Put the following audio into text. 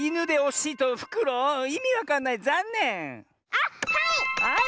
あっはい！